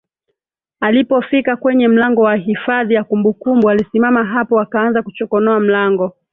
Alipofika kwenye mlango wa hifadhi ya kumbukumbu alisimama hapo akaanza kuchokonoa mlango